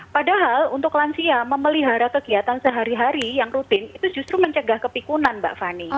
padahal untuk lansia memelihara kegiatan sehari hari yang rutin itu justru mencegah kepikunan mbak fani